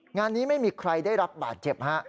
งานนี้ไม่มีใครได้รับบาดเจ็บฮะ